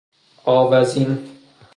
آوزین